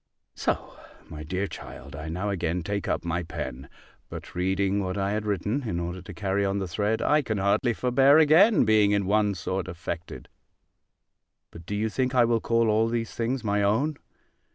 So, my dear child, I now again take up my pen: but reading what I had written, in order to carry on the thread, I can hardly forbear again being in one sort affected. But do you think I will call all these things my own?